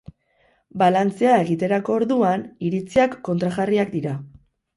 Balantzea egiterako orduan, iritziak kontrajarriak dira.